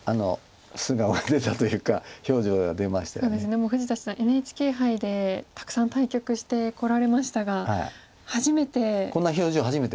もう富士田七段ＮＨＫ杯でたくさん対局してこられましたが初めて。